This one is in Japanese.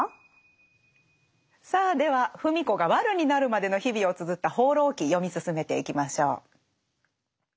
さあでは芙美子がワルになるまでの日々をつづった「放浪記」読み進めていきましょう。